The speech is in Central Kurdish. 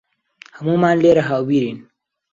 هەموومان لێرە هاوبیرین.